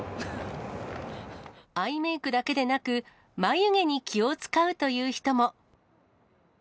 アイメークだけでなく、眉毛に気を遣うという人も。